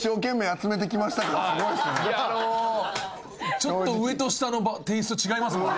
ちょっと上と下のテイスト違いますもんね